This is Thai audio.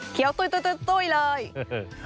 เคี้ยวตุ้นเลยกินคนเดียวเรียบ